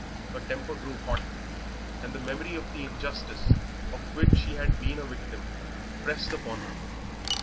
Her temper grew hot, and the memory of the injustice of which she had been a victim pressed upon her.